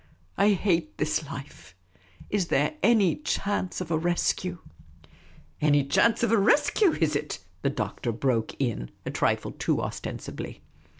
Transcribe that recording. I hate this life. Is there any chance of a rescue ?''" Anny chance of a rescue, is it ?" the Doctor broke in, a trifle too ostensibly.